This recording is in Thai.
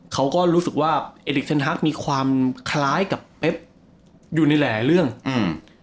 เขาก็รู้สึกว่าเอลิกเซ็นฮักมีความคล้ายกับเป๊บอยู่ในหลายเรื่องอืม